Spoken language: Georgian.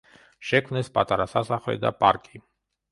შექმნეს პატარა სასახლე და პარკი.